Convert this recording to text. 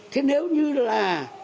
thế nếu như là